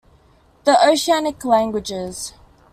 The Oceanic languages.